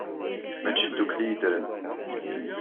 Maci ddukkli ay ddren.